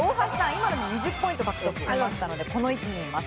今ので２０ポイント獲得しましたのでこの位置にいます。